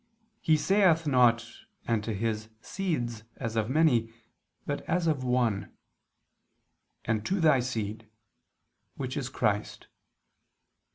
He saith not, 'And to his seeds,' as of many: but as of one, 'And to thy seed,' which is Christ."